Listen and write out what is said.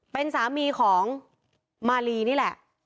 เป็นสามีของมาลีนี่แหละ